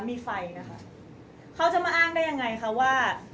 มีไฟนะคะเขาจะมาอ้างได้ยังไงคะว่า